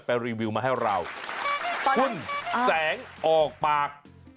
รีวิวมาให้เราคุณแสงออกปาก